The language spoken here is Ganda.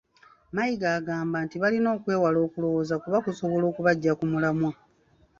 Mayiga agamba nti balina okwewala okulowooza kuba kusobola okubaggya ku mulamwa.